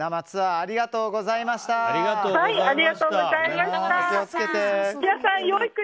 ありがとうございます！